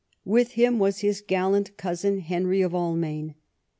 With him was his gallant cousin Hemy of Almaine.